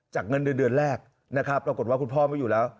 เงินเดือนแรกนะครับปรากฏว่าคุณพ่อไม่อยู่แล้ว